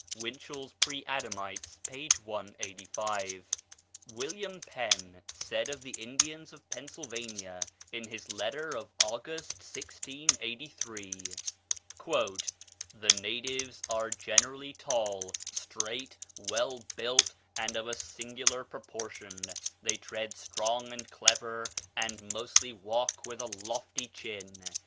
(Winchell's "Preadamites," p. 185.) William Penn said of the Indians of Pennsylvania, in his letter of August, 1683: "The natives ... are generally tall, straight, well built, and of singular proportion; they tread strong and clever, and mostly walk with a lofty chin....